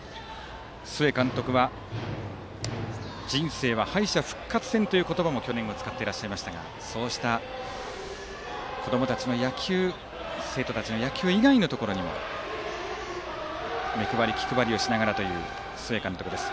須江監督は人生は敗者復活戦という言葉も去年は使っていましたが生徒たちの野球以外のところにも目配り、気配りをしながらという須江監督です。